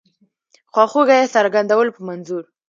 خواخوږی څرګندولو په منظور.